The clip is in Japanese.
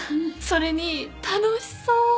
それに楽しそう！